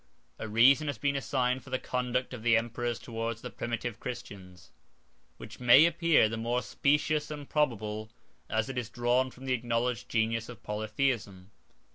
A reason has been assigned for the conduct of the emperors towards the primitive Christians, which may appear the more specious and probable as it is drawn from the acknowledged genius of Polytheism.